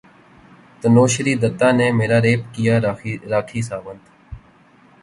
تنوشری دتہ نے میرا ریپ کیا راکھی ساونت